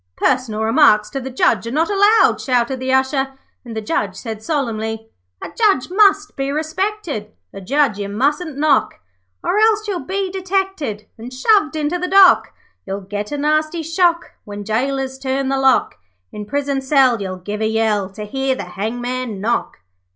'Personal remarks to the Judge are not allowed,' shouted the Usher, and the Judge said solemnly 'A Judge must be respected, A Judge you mustn't knock, Or else you'll be detected And shoved into the dock. You'll get a nasty shock When gaolers turn the lock. In prison cell you'll give a yell To hear the hangman knock.'